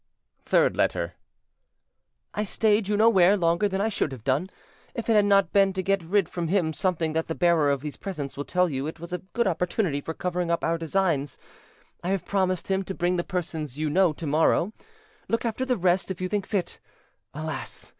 THIRD LETTER "I stayed you know where longer than I should have done, if it had not been to get from him something that the bearer of these presents will tell you it was a good opportunity for covering up our designs: I have promised him to bring the person you know to morrow. Look after the rest, if you think fit. Alas!